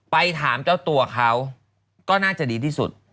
ไปถามเจ้าตัวเขาก็น่าจะดีที่สุด